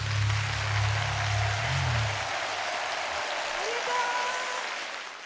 ありがとう！